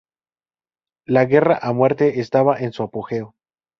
La Guerra a Muerte estaba en su apogeo.